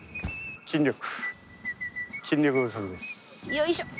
よいしょっ！